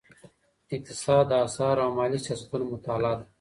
اقتصاد د اسعارو او مالي سیاستونو مطالعه ده.